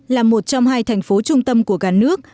là một trong hai thành phố trung tâm của cả nước